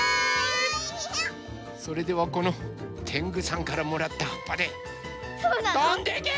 それではこのてんぐさんからもらったはっぱでとんでけ！